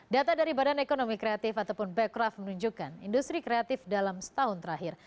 data dari badan ekonomi kreatif ataupun bekraf menunjukkan industri kreatif dalam setahun terakhir